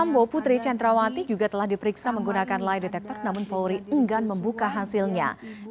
sambo putri centrawati juga telah diperiksa menggunakan lie detector namun polri enggan membuka hasilnya